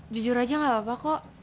jujur aja gak apa apa kok